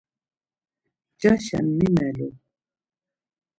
Ncaşen mi melu?